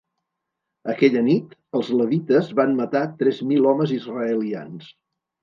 Aquella nit, els levites van matar tres mil homes israelians.